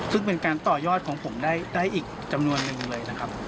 ซึ่งเป็นการต่อยอดของผมได้อีกจำนวนนึงเลยนะครับ